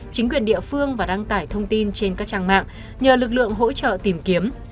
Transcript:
chính quyền địa phương và đăng tải thông tin trên các trang mạng nhờ lực lượng hỗ trợ tìm kiếm